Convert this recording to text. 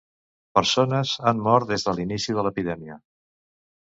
Persones han mort des de l'inici de l'epidèmia.